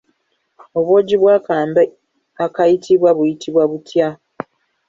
Obwogi bw'akambe akayitibwa buyitibwa butya?